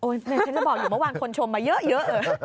โอ๊ยแม่ฉันก็บอกอยู่เมื่อวานคนชมมาเยอะ